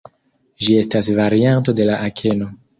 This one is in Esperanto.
Ĝi estas varianto de la akeno.